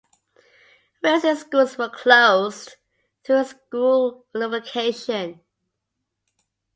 Wilsey schools were closed through school unification.